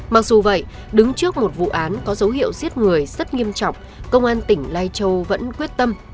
mặc dù vậy đứng trước một vụ án có dấu hiệu giết người rất nghiêm trọng công an tỉnh lai châu vẫn quyết tâm